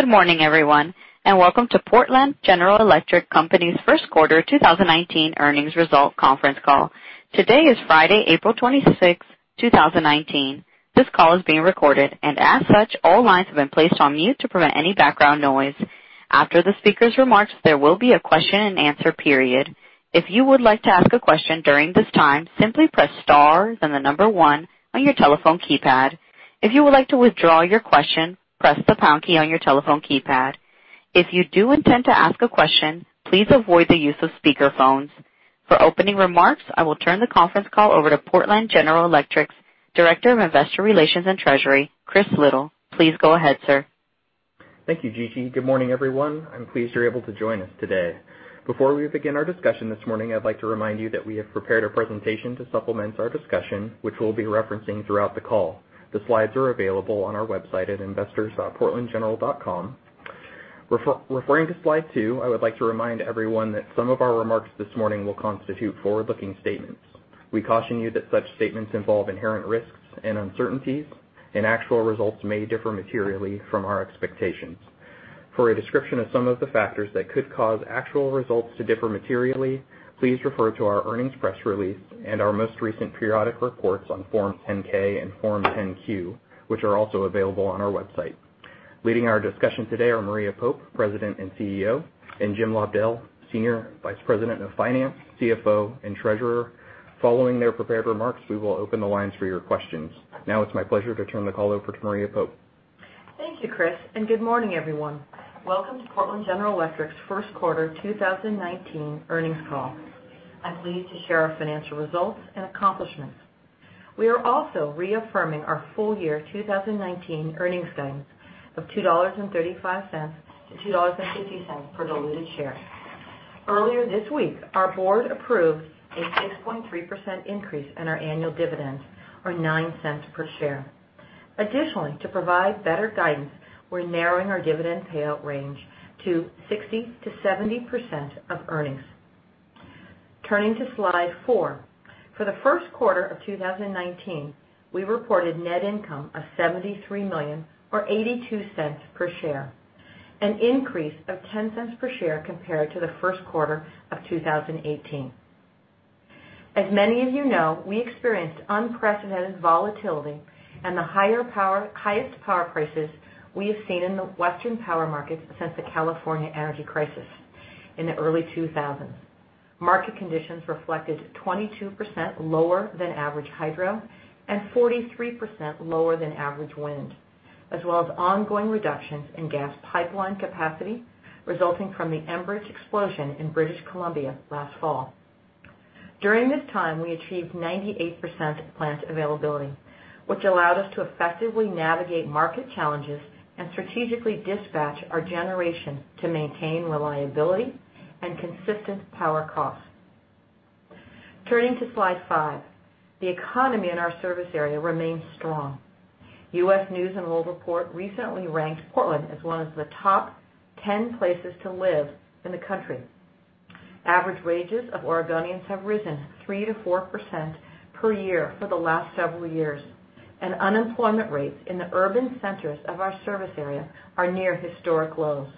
Good morning everyone, welcome to Portland General Electric Company's first quarter 2019 earnings result conference call. Today is Friday, April 26th, 2019. This call is being recorded, and as such, all lines have been placed on mute to prevent any background noise. After the speaker's remarks, there will be a question and answer period. If you would like to ask a question during this time, simply press star, then the number 1 on your telephone keypad. If you would like to withdraw your question, press the pound key on your telephone keypad. If you do intend to ask a question, please avoid the use of speakerphones. For opening remarks, I will turn the conference call over to Portland General Electric's Director of Investor Relations and Treasury, Chris Liddle. Please go ahead, sir. Thank you, Gigi. Good morning, everyone. I'm pleased you're able to join us today. Before we begin our discussion this morning, I'd like to remind you that we have prepared a presentation to supplement our discussion, which we'll be referencing throughout the call. The slides are available on our website at investors.portlandgeneral.com. Referring to slide two, I would like to remind everyone that some of our remarks this morning will constitute forward-looking statements. We caution you that such statements involve inherent risks and uncertainties, and actual results may differ materially from our expectations. For a description of some of the factors that could cause actual results to differ materially, please refer to our earnings press release and our most recent periodic reports on Form 10-K and Form 10-Q, which are also available on our website. Leading our discussion today are Maria Pope, President and CEO, and Jim Lobdell, Senior Vice President of Finance, CFO, and Treasurer. Following their prepared remarks, we will open the lines for your questions. Now it's my pleasure to turn the call over to Maria Pope. Thank you, Chris. Good morning, everyone. Welcome to Portland General Electric's first quarter 2019 earnings call. I'm pleased to share our financial results and accomplishments. We are also reaffirming our full year 2019 earnings guidance of $2.35-$2.50 per diluted share. Earlier this week, our board approved a 6.3% increase in our annual dividend or $0.09 per share. Additionally, to provide better guidance, we're narrowing our dividend payout range to 60%-70% of earnings. Turning to slide four. For the first quarter of 2019, we reported net income of $73 million, or $0.82 per share, an increase of $0.10 per share compared to the first quarter of 2018. As many of you know, we experienced unprecedented volatility and the highest power prices we have seen in the Western power markets since the California energy crisis in the early 2000s. Market conditions reflected 22% lower than average hydro and 43% lower than average wind, as well as ongoing reductions in gas pipeline capacity resulting from the Enbridge explosion in British Columbia last fall. During this time, we achieved 98% plant availability, which allowed us to effectively navigate market challenges and strategically dispatch our generation to maintain reliability and consistent power costs. Turning to slide five. The economy in our service area remains strong. U.S. News & World Report recently ranked Portland as one of the top 10 places to live in the country. Average wages of Oregonians have risen 3%-4% per year for the last several years, and unemployment rates in the urban centers of our service area are near historic lows.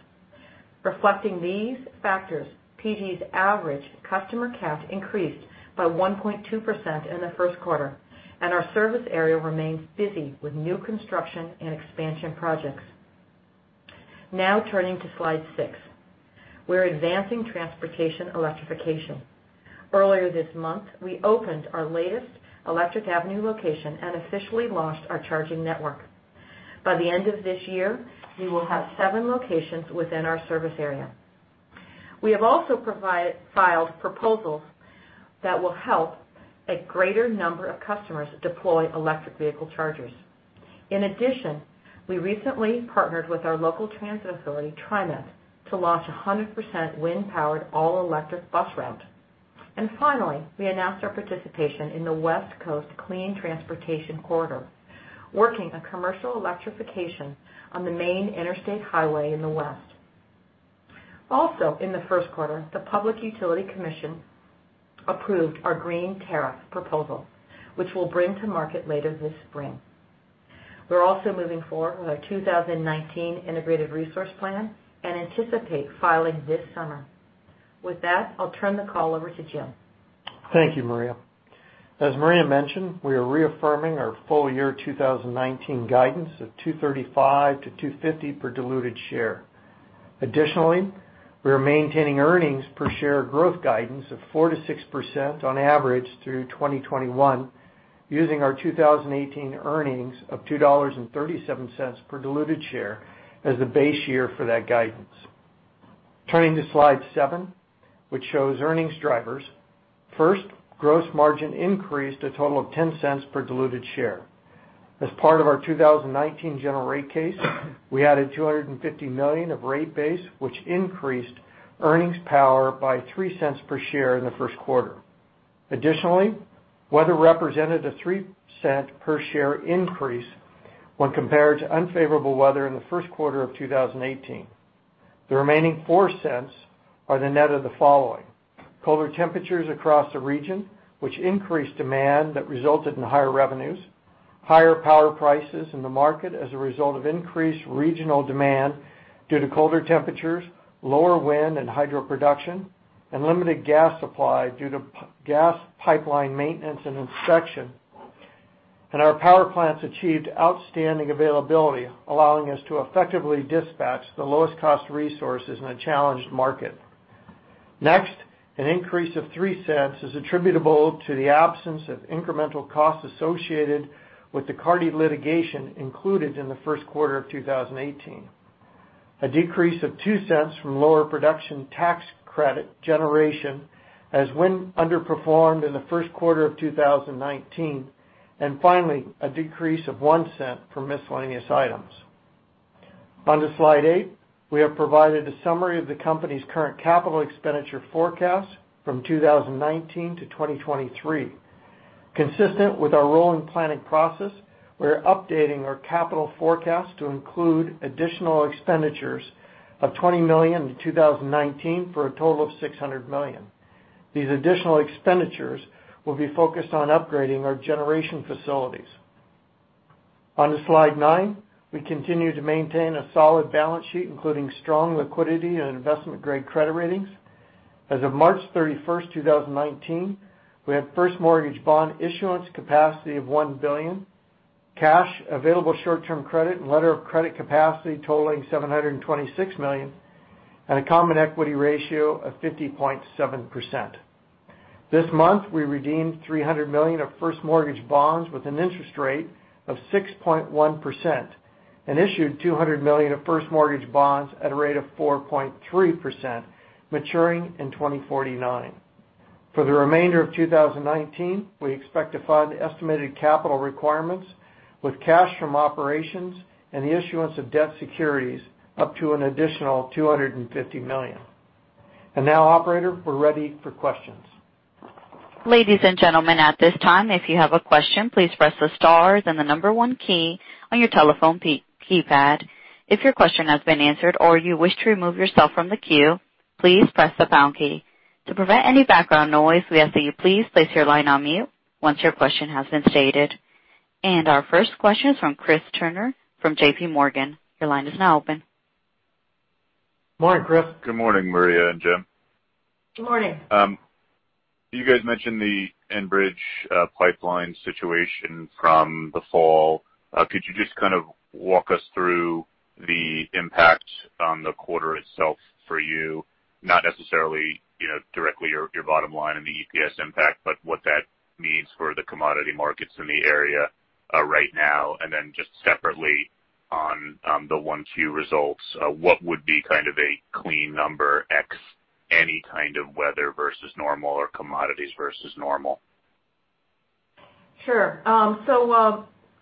Reflecting these factors, PGE's average customer count increased by 1.2% in the first quarter, and our service area remains busy with new construction and expansion projects. Turning to slide six. We're advancing transportation electrification. Earlier this month, we opened our latest Electric Avenue location and officially launched our charging network. By the end of this year, we will have seven locations within our service area. We have also filed proposals that will help a greater number of customers deploy electric vehicle chargers. In addition, we recently partnered with our local transit authority, TriMet, to launch 100% wind-powered all-electric bus routes. Finally, we announced our participation in the West Coast Clean Transportation Corridor, working on commercial electrification on the main interstate highway in the West. In the first quarter, the Public Utility Commission approved our Green Tariff proposal, which we'll bring to market later this spring. We're also moving forward with our 2019 Integrated Resource Plan and anticipate filing this summer. With that, I'll turn the call over to Jim. Thank you, Maria. As Maria mentioned, we are reaffirming our full year 2019 guidance of $2.35-$2.50 per diluted share. Additionally, we are maintaining earnings per share growth guidance of 4%-6% on average through 2021, using our 2018 earnings of $2.37 per diluted share as the base year for that guidance. Turning to slide seven, which shows earnings drivers. First, gross margin increased a total of $0.10 per diluted share. As part of our 2019 general rate case, we added $250 million of rate base, which increased earnings power by $0.03 per share in the first quarter. Weather represented a $0.03 per share increase when compared to unfavorable weather in the first quarter of 2018. The remaining $0.04 are the net of the following: colder temperatures across the region, which increased demand that resulted in higher revenues, higher power prices in the market as a result of increased regional demand due to colder temperatures, lower wind and hydro production, and limited gas supply due to gas pipeline maintenance and inspection. Our power plants achieved outstanding availability, allowing us to effectively dispatch the lowest cost resources in a challenged market. An increase of $0.03 is attributable to the absence of incremental costs associated with the Carty litigation included in the first quarter of 2018. A decrease of $0.02 from lower Production Tax Credit generation as wind underperformed in the first quarter of 2019. Finally, a decrease of $0.01 for miscellaneous items. On to slide eight, we have provided a summary of the company's current capital expenditure forecast from 2019 to 2023. Consistent with our rolling planning process, we're updating our capital forecast to include additional expenditures of $20 million in 2019 for a total of $600 million. These additional expenditures will be focused on upgrading our generation facilities. On to slide nine. We continue to maintain a solid balance sheet, including strong liquidity and investment-grade credit ratings. As of March 31st, 2019, we have First Mortgage Bond issuance capacity of $1 billion, cash available short-term credit and letter of credit capacity totaling $726 million, and a common equity ratio of 50.7%. This month, we redeemed $300 million of First Mortgage Bonds with an interest rate of 6.1% and issued $200 million of First Mortgage Bonds at a rate of 4.3%, maturing in 2049. For the remainder of 2019, we expect to fund estimated capital requirements with cash from operations and the issuance of debt securities up to an additional $250 million. Now, operator, we're ready for questions. Ladies and gentlemen, at this time, if you have a question, please press the star then the number one key on your telephone keypad. If your question has been answered or you wish to remove yourself from the queue, please press the pound key. To prevent any background noise, we ask that you please place your line on mute once your question has been stated. Our first question is from Chris Turner from JPMorgan. Your line is now open. Morning, Chris. Good morning, Maria and Jim. Good morning. You guys mentioned the Enbridge pipeline situation from the fall. Could you just kind of walk us through the impact on the quarter itself for you, not necessarily directly your bottom line and the EPS impact, but what that means for the commodity markets in the area right now? Just separately on the 1Q results, what would be kind of a clean number x any kind of weather versus normal or commodities versus normal? Sure.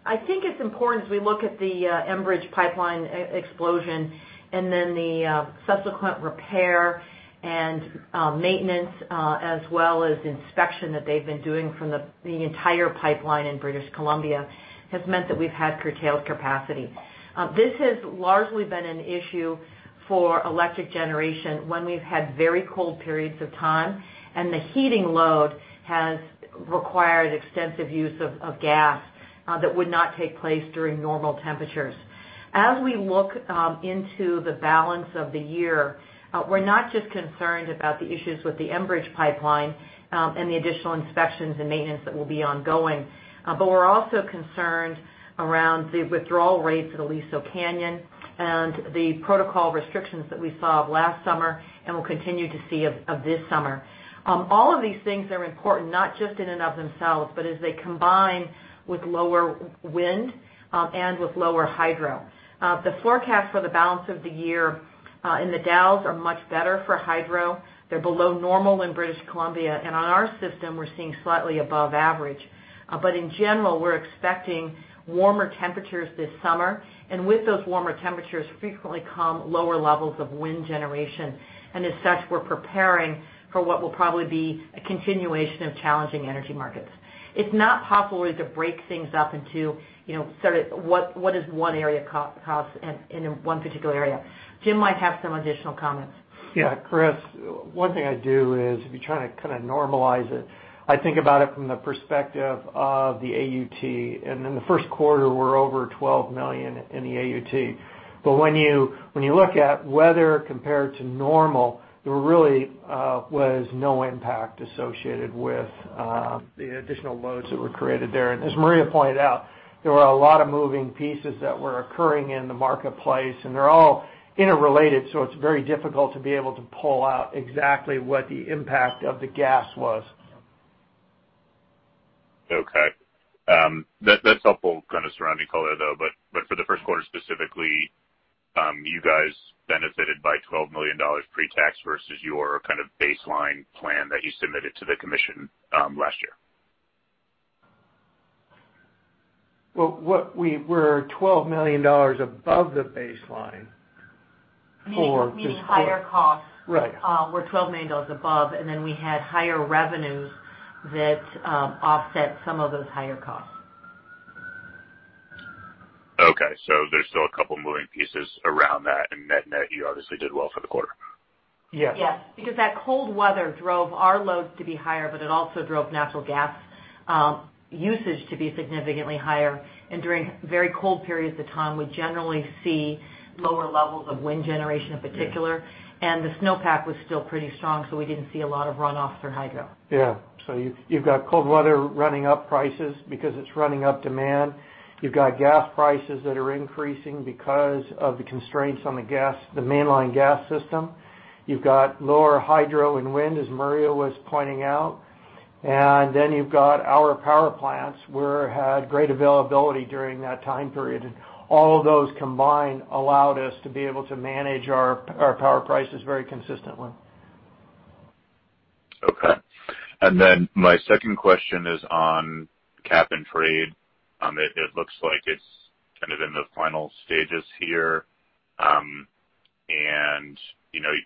I think it's important as we look at the Enbridge pipeline explosion and then the subsequent repair and maintenance, as well as inspection that they've been doing from the entire pipeline in British Columbia, has meant that we've had curtailed capacity. This has largely been an issue for electric generation when we've had very cold periods of time and the heating load has required extensive use of gas that would not take place during normal temperatures. As we look into the balance of the year, we're not just concerned about the issues with the Enbridge pipeline and the additional inspections and maintenance that will be ongoing, but we're also concerned around the withdrawal rates at Aliso Canyon and the protocol restrictions that we saw last summer and will continue to see of this summer. All of these things are important, not just in and of themselves, as they combine with lower wind and with lower hydro. The forecast for the balance of the year in The Dalles are much better for hydro. They are below normal in British Columbia, and on our system, we are seeing slightly above average. In general, we are expecting warmer temperatures this summer, and with those warmer temperatures frequently come lower levels of wind generation. As such, we are preparing for what will probably be a continuation of challenging energy markets. It is not possible really to break things up into sort of what does one area cost in one particular area. Jim might have some additional comments. Yeah, Chris, one thing I do is if you are trying to kind of normalize it, I think about it from the perspective of the AUT. In the first quarter, we are over $12 million in the AUT. When you look at weather compared to normal, there really was no impact associated with the additional loads that were created there. As Maria pointed out, there were a lot of moving pieces that were occurring in the marketplace, and they are all interrelated, so it is very difficult to be able to pull out exactly what the impact of the gas was. Okay. That is helpful kind of surrounding color, though. For the first quarter specifically, you guys benefited by $12 million pre-tax versus your kind of baseline plan that you submitted to the commission last year. Well, we were $12 million above the baseline for this quarter. Meaning higher costs. Right. We're $12 million above, we had higher revenues that offset some of those higher costs. Okay. There's still a couple moving pieces around that, net, you obviously did well for the quarter. Yes. Yes. That cold weather drove our loads to be higher, it also drove natural gas usage to be significantly higher. During very cold periods of time, we generally see lower levels of wind generation in particular. Yeah. The snowpack was still pretty strong, so we didn't see a lot of runoff for hydro. Yeah. You've got cold weather running up prices because it's running up demand. You've got gas prices that are increasing because of the constraints on the mainline gas system. You've got lower hydro and wind, as Maria was pointing out. Then you've got our power plants, where had great availability during that time period. All of those combined allowed us to be able to manage our power prices very consistently. Okay. My second question is on cap and trade. It looks like it's kind of in the final stages here.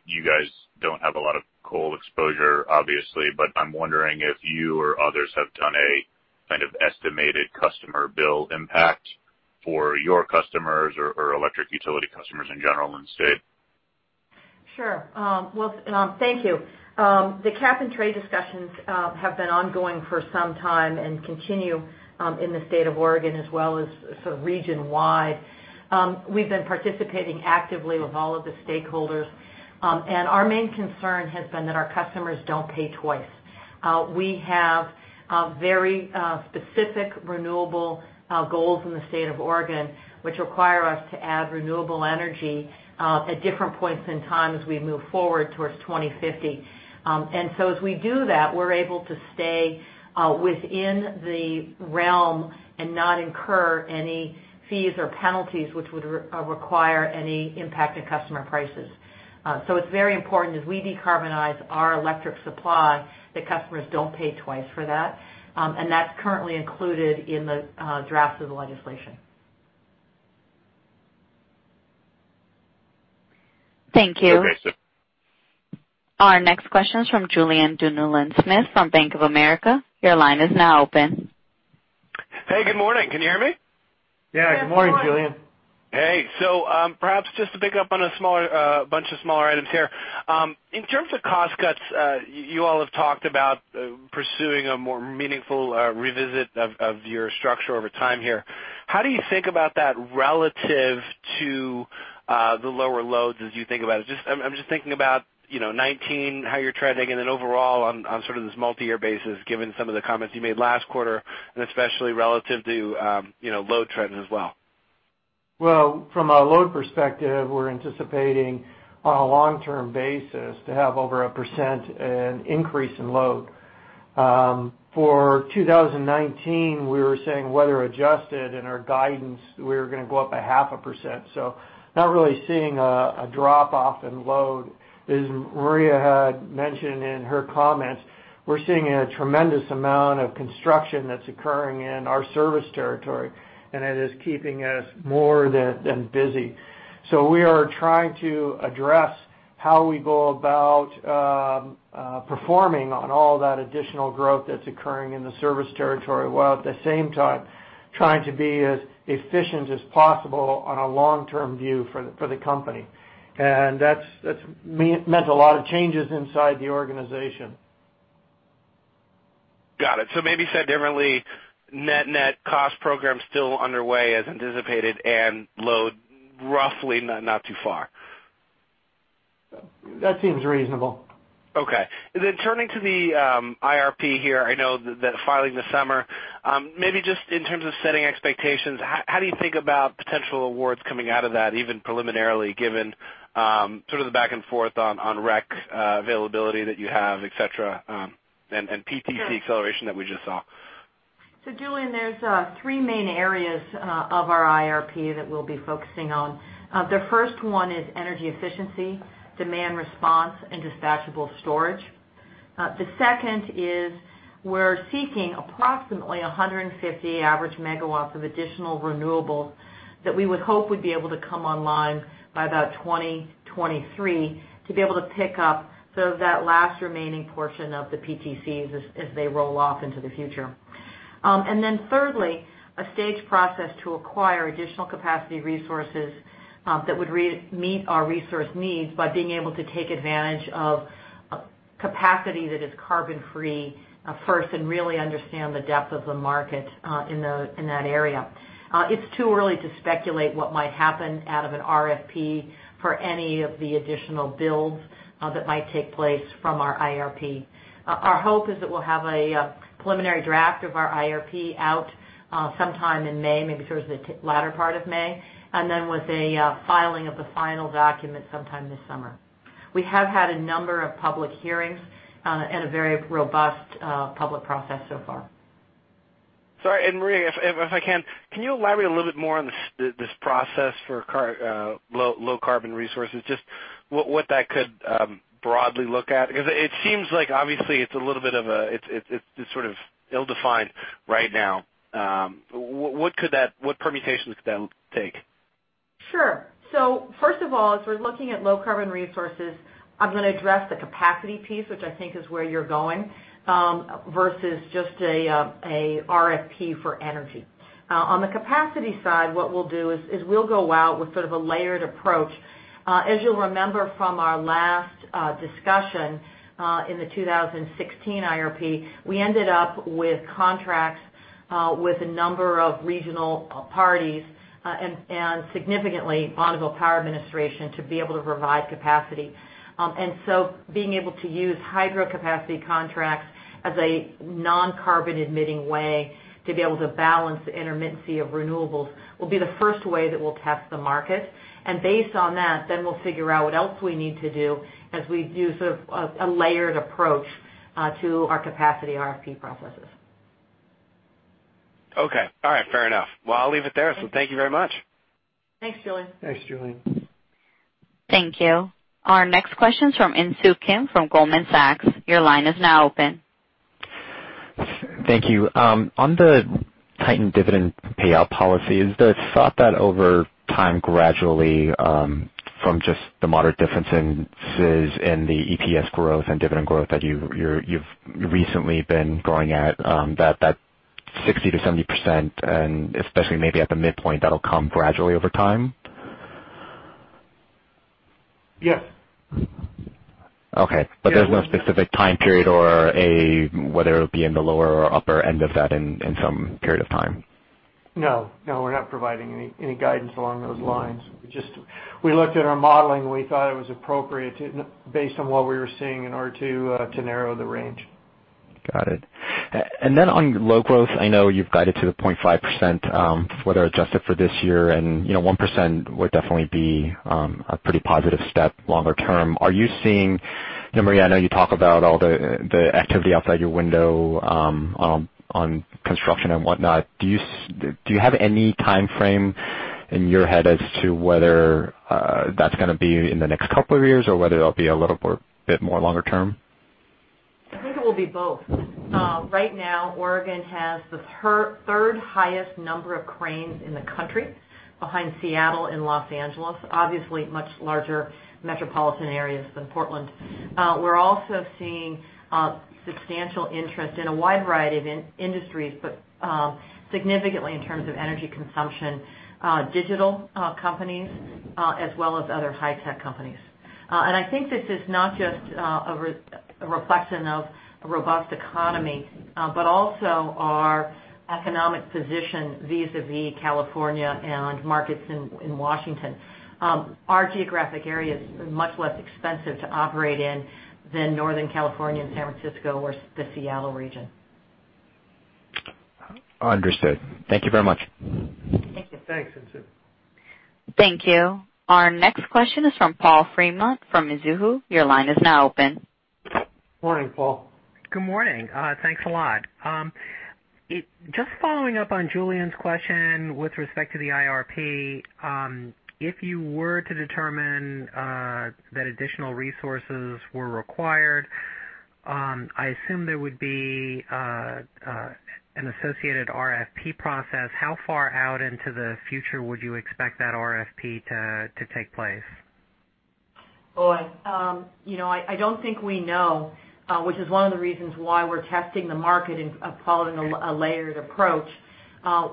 You guys don't have a lot of coal exposure, obviously, but I'm wondering if you or others have done a kind of estimated customer bill impact for your customers or electric utility customers in general in state. Sure. Well, thank you. The cap and trade discussions have been ongoing for some time and continue in the state of Oregon as well as sort of region-wide. We've been participating actively with all of the stakeholders. Our main concern has been that our customers don't pay twice. We have very specific renewable goals in the state of Oregon, which require us to add renewable energy at different points in time as we move forward towards 2050. As we do that, we're able to stay within the realm and not incur any fees or penalties, which would require any impact on customer prices. So it's very important as we decarbonize our electric supply, that customers don't pay twice for that. That's currently included in the draft of the legislation. Thank you. Okay. Our next question is from Julien Dumoulin-Smith from Bank of America. Your line is now open. Hey, good morning. Can you hear me? Yeah. Good morning, Julien. Yes. Good morning. Hey. Perhaps just to pick up on a bunch of smaller items here. In terms of cost cuts, you all have talked about pursuing a more meaningful revisit of your structure over time here. How do you think about that relative to the lower loads as you think about it? I'm just thinking about 2019, how you're trending, and then overall on sort of this multi-year basis, given some of the comments you made last quarter, and especially relative to load trends as well. Well, from a load perspective, we're anticipating on a long-term basis to have over a 1% increase in load. For 2019, we were saying weather-adjusted in our guidance, we were going to go up 0.5%. Not really seeing a drop-off in load. As Maria had mentioned in her comments, we're seeing a tremendous amount of construction that's occurring in our service territory, and it is keeping us more than busy. We are trying to address how we go about performing on all that additional growth that's occurring in the service territory, while at the same time trying to be as efficient as possible on a long-term view for the company. That's meant a lot of changes inside the organization. Got it. Maybe said differently, net cost program still underway as anticipated and load roughly not too far. That seems reasonable. Okay. Turning to the IRP here, I know that filing this summer. Maybe just in terms of setting expectations, how do you think about potential awards coming out of that, even preliminarily, given sort of the back and forth on rec availability that you have, et cetera, and PTC acceleration that we just saw? Julien, there's three main areas of our IRP that we'll be focusing on. The first one is energy efficiency, demand response, and dispatchable storage. The second is we're seeking approximately 150 average MW of additional renewables that we would hope would be able to come online by about 2023 to be able to pick up sort of that last remaining portion of the PTCs as they roll off into the future. Thirdly, a staged process to acquire additional capacity resources that would meet our resource needs by being able to take advantage of capacity that is carbon-free first and really understand the depth of the market in that area. It's too early to speculate what might happen out of an RFP for any of the additional builds that might take place from our IRP. Our hope is that we'll have a preliminary draft of our IRP out sometime in May, maybe towards the latter part of May, with a filing of the final document sometime this summer. We have had a number of public hearings, and a very robust public process so far. Sorry. Maria, if I can you elaborate a little bit more on this process for low carbon resources? Just what that could broadly look at? It seems like obviously it's sort of ill-defined right now. What permutations could that take? Sure. First of all, as we're looking at low carbon resources, I'm going to address the capacity piece, which I think is where you're going, versus just a RFP for energy. On the capacity side, what we'll do is we'll go out with sort of a layered approach. As you'll remember from our last discussion in the 2016 IRP, we ended up with contracts with a number of regional parties, and significantly, Bonneville Power Administration, to be able to provide capacity. Being able to use hydro capacity contracts as a non-carbon emitting way to be able to balance the intermittency of renewables will be the first way that we'll test the market. Based on that, we'll figure out what else we need to do as we do sort of a layered approach to our capacity RFP processes. Okay. All right, fair enough. Well, I'll leave it there. Thank you very much. Thanks, Julien. Thanks, Julien. Thank you. Our next question is from Insoo Kim from Goldman Sachs. Your line is now open. Thank you. On the tightened dividend payout policy, is the thought that over time, gradually, from just the moderate differences in the EPS growth and dividend growth that you've recently been growing at, that 60%-70%, and especially maybe at the midpoint, that'll come gradually over time? Yes. Okay. There's no specific time period or whether it'll be in the lower or upper end of that in some period of time? No. We're not providing any guidance along those lines. We looked at our modeling, we thought it was appropriate based on what we were seeing in order to narrow the range. Got it. On low growth, I know you've guided to the 0.5%, whether adjusted for this year and 1% would definitely be a pretty positive step longer term. Are you seeing, Maria, I know you talk about all the activity outside your window on construction and whatnot. Do you have any timeframe in your head as to whether that's going to be in the next couple of years or whether it'll be a little bit more longer term? I think it will be both. Right now, Oregon has the third highest number of cranes in the country behind Seattle and Los Angeles, obviously much larger metropolitan areas than Portland. We're also seeing substantial interest in a wide variety of industries, but significantly in terms of energy consumption, digital companies, as well as other high tech companies. I think this is not just a reflection of a robust economy, but also our economic position vis-a-vis California and markets in Washington. Our geographic area is much less expensive to operate in than Northern California and San Francisco or the Seattle region. Understood. Thank you very much. Thank you. Thanks, Insoo. Thank you. Our next question is from Paul Fremont from Mizuho. Your line is now open. Morning, Paul. Good morning. Thanks a lot. Just following up on Julien's question with respect to the IRP. If you were to determine that additional resources were required, I assume there would be an associated RFP process. How far out into the future would you expect that RFP to take place? Boy, I don't think we know, which is one of the reasons why we're testing the market and following a layered approach.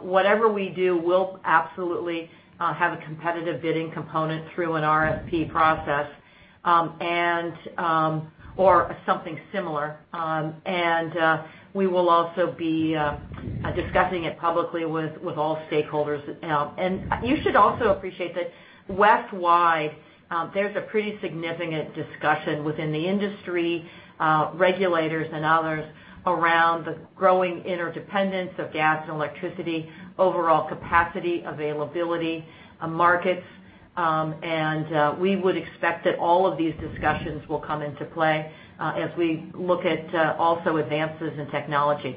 Whatever we do, we'll absolutely have a competitive bidding component through an RFP process or something similar. We will also be discussing it publicly with all stakeholders. You should also appreciate that west-wide, there's a pretty significant discussion within the industry, regulators, and others around the growing interdependence of gas and electricity, overall capacity, availability, markets. We would expect that all of these discussions will come into play as we look at also advances in technology.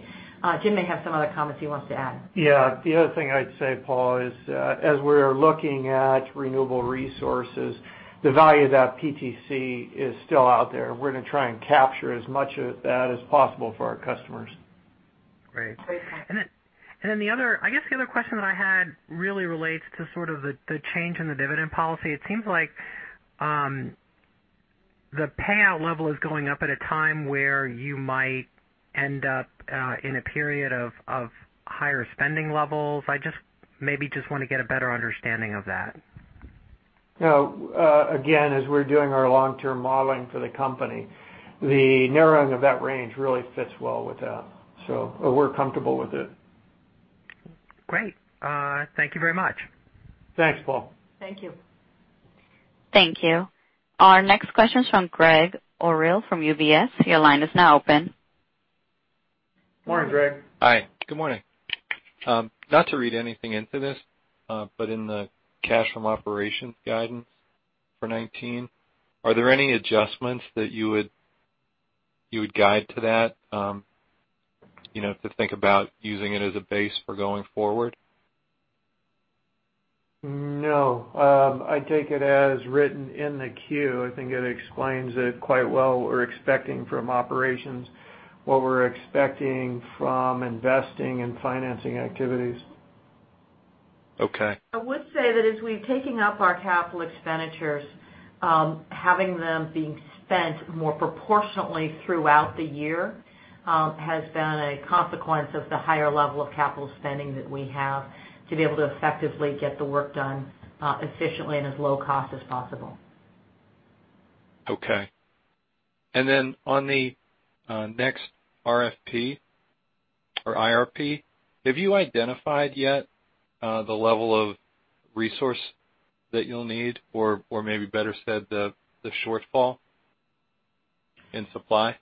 Jim may have some other comments he wants to add. Yeah. The other thing I'd say, Paul, is as we're looking at renewable resources, the value of that PTC is still out there. We're going to try and capture as much of that as possible for our customers. Great. Great point. I guess the other question that I had really relates to sort of the change in the dividend policy. It seems like the payout level is going up at a time where you might end up in a period of higher spending levels. I just maybe just want to get a better understanding of that. Again, as we're doing our long-term modeling for the company, the narrowing of that range really fits well with that. We're comfortable with it. Great. Thank you very much. Thanks, Paul. Thank you. Thank you. Our next question is from Gregg Orrill from UBS. Your line is now open. Morning, Gregg. Hi. Good morning. Not to read anything into this, but in the cash from operations guidance for 2019, are there any adjustments that you would guide to that to think about using it as a base for going forward? No. I take it as written in the Q. I think it explains it quite well. We're expecting from operations what we're expecting from investing and financing activities. Okay. I would say that as we've taken up our capital expenditures, having them being spent more proportionately throughout the year has been a consequence of the higher level of capital spending that we have to be able to effectively get the work done efficiently and as low cost as possible. Okay. On the next RFP or IRP, have you identified yet the level of resource that you'll need or maybe better said, the shortfall in supply?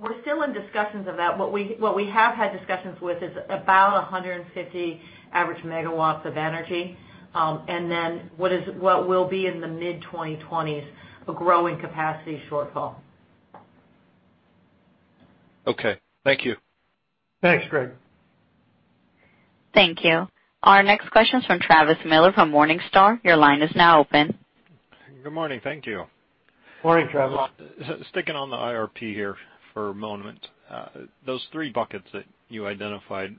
We're still in discussions of that. What we have had discussions with is about 150 average megawatts of energy, and then what will be in the mid 2020s, a growing capacity shortfall. Okay. Thank you. Thanks, Gregg. Thank you. Our next question's from Travis Miller from Morningstar. Your line is now open. Good morning. Thank you. Morning, Travis. Sticking on the IRP here for a moment. Those three buckets that you identified,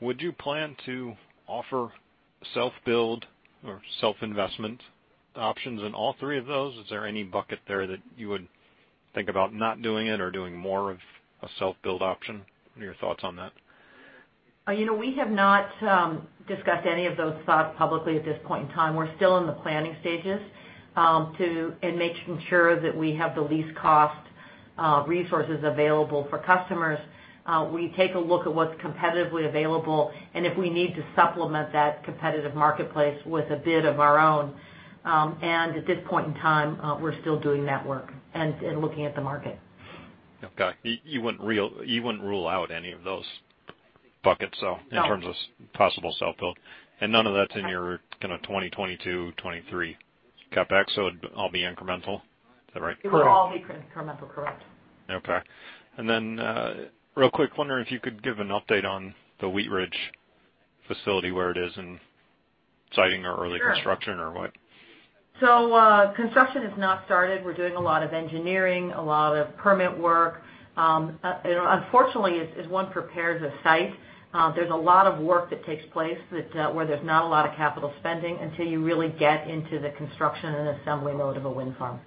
would you plan to offer self-build or self-investment options in all three of those? Is there any bucket there that you would think about not doing it or doing more of a self-build option? What are your thoughts on that? We have not discussed any of those thoughts publicly at this point in time. We're still in the planning stages, and making sure that we have the least cost resources available for customers. We take a look at what's competitively available, and if we need to supplement that competitive marketplace with a bid of our own. At this point in time, we're still doing that work and looking at the market. Okay. You wouldn't rule out any of those buckets. No in terms of possible self-build. None of that's in your kind of 2022, 2023 CapEx, so it'd all be incremental. Is that right? Correct. It would all be incremental. Correct. Okay. Then, real quick, wondering if you could give an update on the Wheatridge facility, where it is in siting or early construction, or what. Sure. Construction has not started. We're doing a lot of engineering, a lot of permit work. Unfortunately, as one prepares a site, there's a lot of work that takes place where there's not a lot of capital spending until you really get into the construction and assembly mode of a wind farm.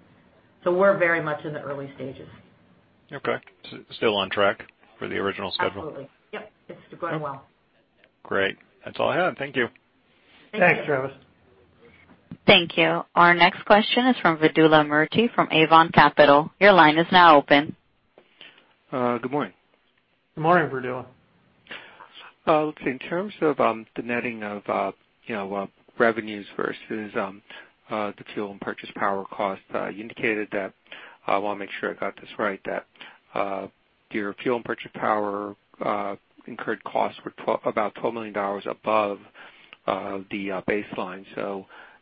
We're very much in the early stages. Okay. Still on track for the original schedule? Absolutely. Yep. It's going well. Great. That's all I have. Thank you. Thank you. Thanks, Travis. Thank you. Our next question is from Vidula Murti from Avon Capital. Your line is now open. Good morning. Good morning, Vidula. Let's see. In terms of the netting of revenues versus the fuel and purchase power cost, you indicated that, I want to make sure I got this right, that your fuel and purchase power incurred costs were about $12 million above the baseline.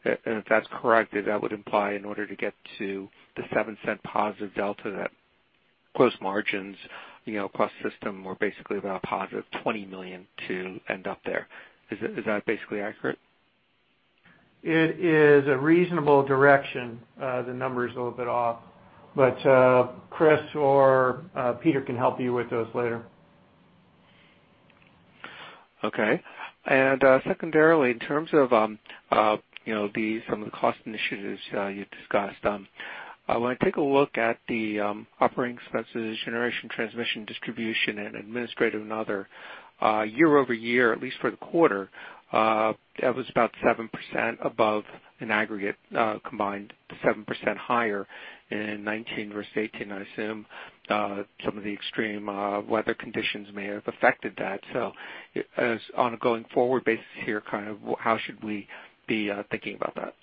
If that's correct, that would imply in order to get to the $0.07 positive delta, that close margins across system were basically about a positive $20 million to end up there. Is that basically accurate? It is a reasonable direction. The number's a little bit off. Chris or Peter can help you with those later. Okay. Secondarily, in terms of some of the cost initiatives you discussed. When I take a look at the operating expenses, generation, transmission, distribution, and administrative and other, year-over-year, at least for the quarter, that was about 7% above an aggregate combined, 7% higher in 2019 versus 2018. I assume some of the extreme weather conditions may have affected that. On a going forward basis here, kind of how should we be thinking about that?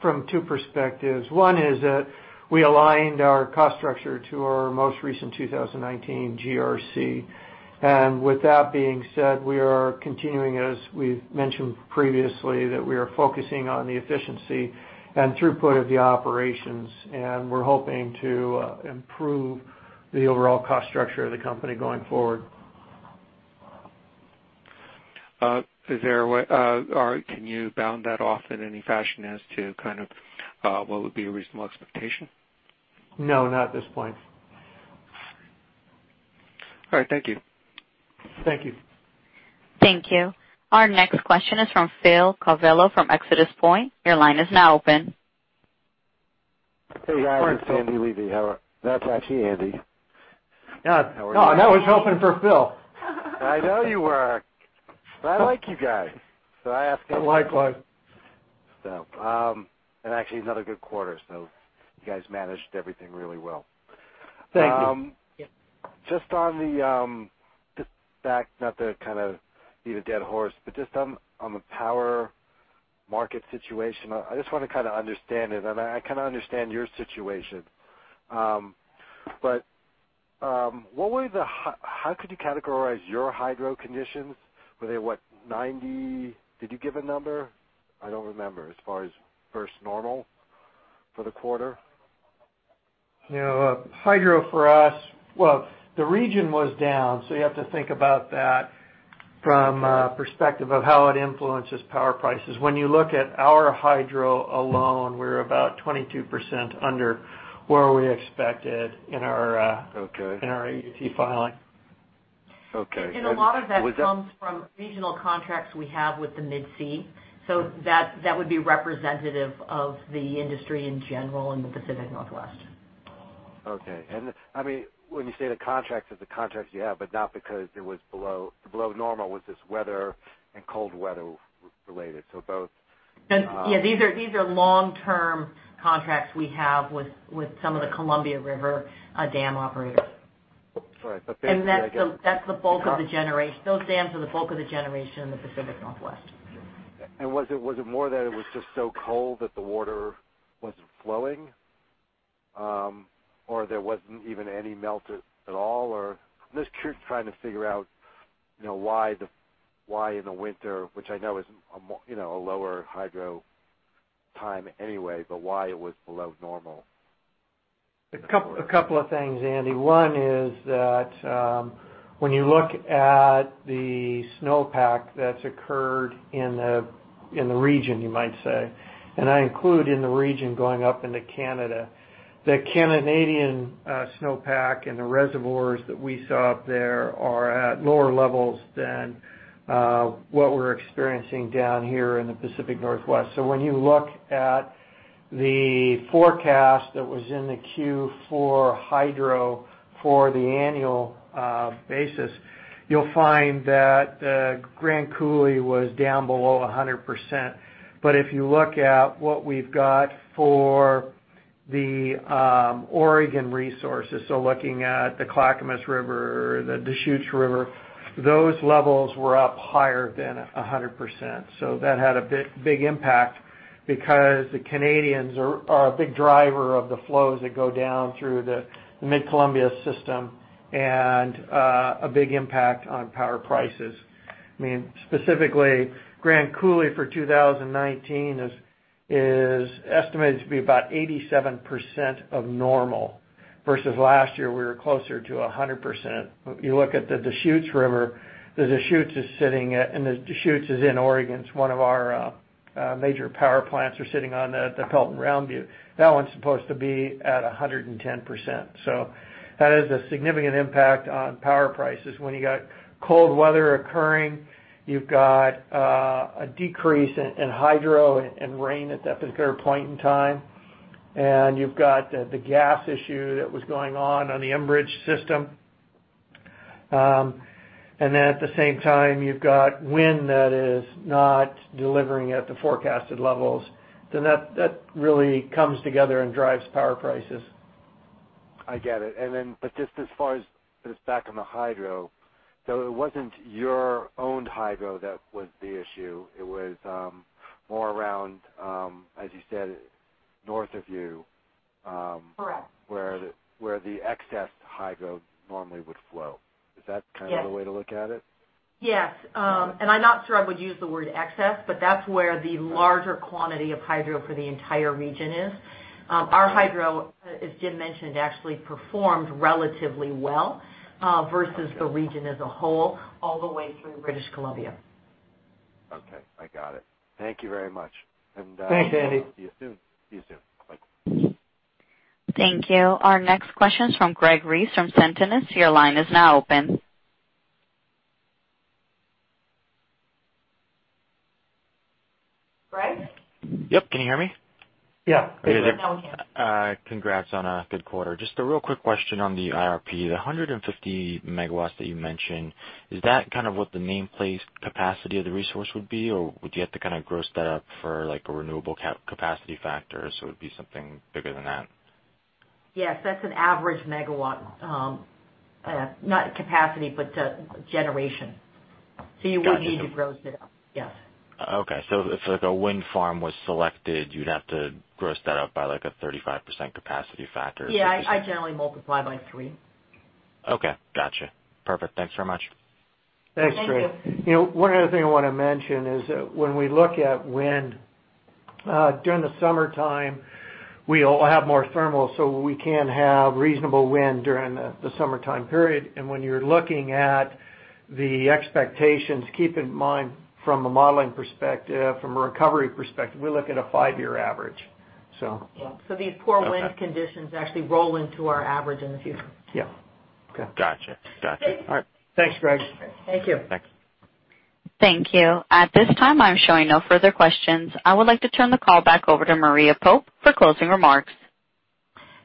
From two perspectives. One is that we aligned our cost structure to our most recent 2019 GRC. With that being said, we are continuing, as we've mentioned previously, that we are focusing on the efficiency and throughput of the operations. We're hoping to improve the overall cost structure of the company going forward. Can you bound that off in any fashion as to what would be a reasonable expectation? No, not at this point. All right. Thank you. Thank you. Thank you. Our next question is from Phil Covello from ExodusPoint. Your line is now open. Hey, guys. It's Andy Levi. That's actually Andy. I was hoping for Phil. I know you were. I like you guys, so I asked anyway. Likewise. Actually another good quarter, so you guys managed everything really well. Thank you. Yep. Just on the fact, not to kind of beat a dead horse, but just on the power market situation, I just want to kind of understand it. I kind of understand your situation. How could you categorize your hydro conditions? Were they, what, 90? Did you give a number? I don't remember. As far as versus normal for the quarter. Hydro for us, well, the region was down, so you have to think about that from a perspective of how it influences power prices. When you look at our hydro alone, we're about 22% under where we expected in our- Okay in our AUT filing. Okay. A lot of that comes from regional contracts we have with the Mid-C. That would be representative of the industry in general in the Pacific Northwest. Okay. When you say the contracts, it's the contracts you have, but not because it was below normal. Was this weather and cold weather related? Yeah. These are long-term contracts we have with some of the Columbia River dam operators. All right. Basically, I guess. Those dams are the bulk of the generation in the Pacific Northwest. Was it more that it was just so cold that the water wasn't flowing, or there wasn't even any melt at all? I'm just trying to figure out why in the winter, which I know is a lower hydro time anyway, but why it was below normal. A couple of things, Andy. One is that when you look at the snowpack that's occurred in the region, you might say, I include in the region going up into Canada. The Canadian snowpack and the reservoirs that we saw up there are at lower levels than what we're experiencing down here in the Pacific Northwest. When you look at the forecast that was in the Q4 hydro for the annual basis, you'll find that Grand Coulee was down below 100%. If you look at what we've got for the Oregon resources, looking at the Clackamas River, the Deschutes River, those levels were up higher than 100%. That had a big impact because the Canadians are a big driver of the flows that go down through the mid-Columbia system and a big impact on power prices. Specifically, Grand Coulee for 2019 is estimated to be about 87% of normal versus last year, we were closer to 100%. If you look at the Deschutes River, the Deschutes is sitting at, and the Deschutes is in Oregon. It's one of our major power plants are sitting on the Pelton Round Butte. That one's supposed to be at 110%. That has a significant impact on power prices. When you got cold weather occurring, you've got a decrease in hydro and rain at that particular point in time, you've got the gas issue that was going on on the Enbridge system. At the same time, you've got wind that is not delivering at the forecasted levels, that really comes together and drives power prices. I get it. Just as far as back on the hydro, it wasn't your owned hydro that was the issue. It was more around, as you said, north of you- Correct where the excess hydro normally would flow. Is that kind of the way to look at it? Yes. I'm not sure I would use the word excess, that's where the larger quantity of hydro for the entire region is. Our hydro, as Jim mentioned, actually performed relatively well versus the region as a whole, all the way through British Columbia. Okay, I got it. Thank you very much. Thanks, Andy. See you soon. Bye. Thank you. Our next question is from Gregg Orrill from Sentinus. Your line is now open. Gregg? Yep. Can you hear me? Yeah. We can all hear. Hey there. Congrats on a good quarter. Just a real quick question on the IRP. The 150 megawatts that you mentioned, is that kind of what the nameplate capacity of the resource would be, or would you have to kind of gross that up for a renewable capacity factor, so it'd be something bigger than that? Yes, that's an average megawatt, not capacity, but generation. You would need to gross it up. Yes. Okay. If a wind farm was selected, you'd have to gross that up by a 35% capacity factor. Yeah. I generally multiply by three. Okay. Got you. Perfect. Thanks very much. Thank you. Thanks, Gregg. One other thing I want to mention is when we look at wind, during the summertime, we'll have more thermal, so we can have reasonable wind during the summertime period. When you're looking at the expectations, keep in mind from a modeling perspective, from a recovery perspective, we look at a five-year average. These poor wind conditions actually roll into our average in the future. Yeah. Got you. All right. Thanks, Gregg. Thank you. Thanks. Thank you. At this time, I'm showing no further questions. I would like to turn the call back over to Maria Pope for closing remarks.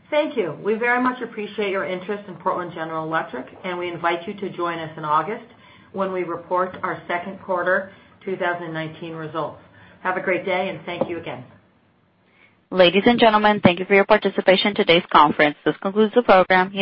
Thank you. We very much appreciate your interest in Portland General Electric, and we invite you to join us in August when we report our second quarter 2019 results. Have a great day, and thank you again. Ladies and gentlemen, thank you for your participation in today's conference. This concludes the program.